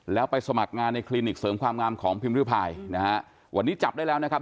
แล้วไปสมัครงานในคลินิกเสริมความงามของพิมพ์ริพายนะฮะวันนี้จับได้แล้วนะครับ